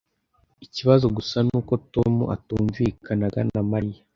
Ikibazo gusa ni uko Tom atumvikanaga na Mariya